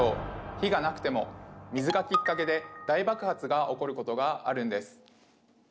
火がなくても水がきっかけで大爆発が起こることがあるんです！